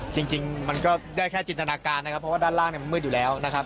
จริงมันก็ได้แค่จินตนาการนะครับเพราะว่าด้านล่างมันมืดอยู่แล้วนะครับ